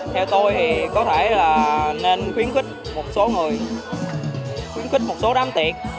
về tôi thì có thể là nên khuyến khích một số người khuyến khích một số đám tiệc